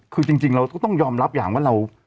คือจริงเราก็ต้องยอมรับอย่างว่าเรา